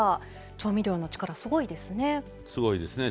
調味料の力、すごいですね。